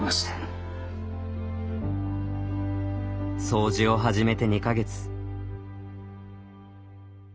掃除を始めて２か月。